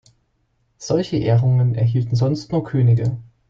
Solche Ehrungen erhielten sonst nur Könige.